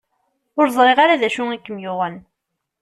Ur ẓriɣ ara d acu i kem-yuɣen.